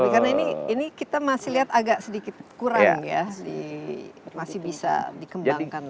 karena ini kita masih lihat sedikit kurang ya masih bisa dikembangkan